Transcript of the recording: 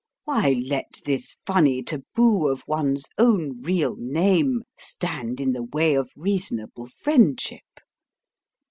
Why let this funny taboo of one's own real name stand in the way of reasonable friendship?